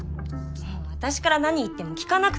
私から何言っても聞かなくて。